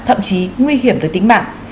thậm chí nguy hiểm từ tính mạng